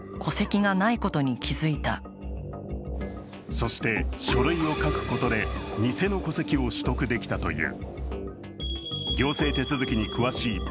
そして書類を書くことで偽の戸籍を取得できたという。